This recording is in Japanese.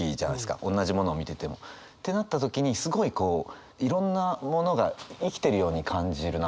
おんなじものを見てても。ってなった時にすごいこういろんなものが生きてるように感じるなと思って。